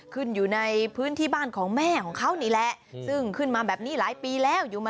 อยู่ในพื้นที่บ้านของแม่ของเขานี่แหละซึ่งขึ้นมาแบบนี้หลายปีแล้วอยู่มา